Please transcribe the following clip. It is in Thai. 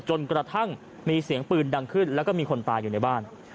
จนกระทั่งมีเสียงปืนดังขึ้นแล้วก็มีคนตายอยู่ในบ้าน